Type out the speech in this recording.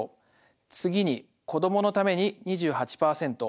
次に「子どものために」２８％。